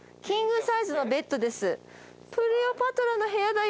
キングサイズのベッドです